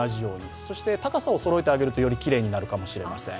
そして高さをそろえてあげると、よりきれいになるかもしれません。